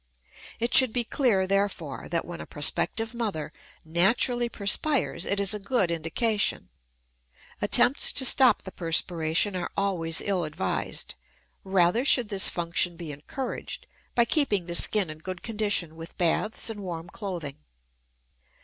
It should be clear, therefore, that when a prospective mother naturally perspires it is a good indication. Attempts to stop the perspiration are always ill advised; rather should this function be encouraged by keeping the skin in good condition with baths and warm clothing.